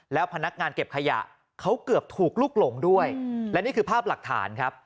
แล้วพนักงานเก็บขยะเขาเกือบถูกลุกหลงด้วยและนี่คือภาพหลักฐานครับ